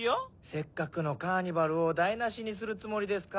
せっかくのカーニバルをだいなしにするつもりですか？